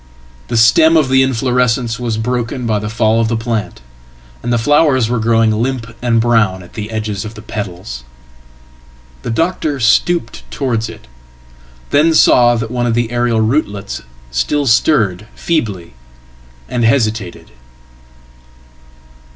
The stem of theinflorescence was broken by the fall of the plant, and the flowers weregrowing limp and brown at the edges of the petals. The doctor stoopedtowards it, then saw that one of the aerial rootlets still stirred feebly, and hesitated.